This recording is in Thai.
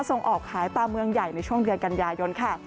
ส่งออกขายตามเมืองใหญ่ในช่วงเดือนกันยายนค่ะ